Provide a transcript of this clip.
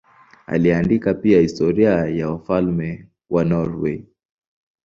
Aliandika pia historia ya wafalme wa Norwei.